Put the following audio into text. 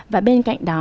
và bên cạnh đó